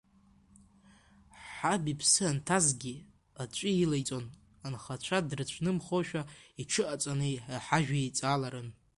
Ҳаб иԥсы анҭазгьы, аҵәы илеиҵон, анхацәа дрыцәнымхошәа иҽыҟаҵаны иҳажәиҵаларын.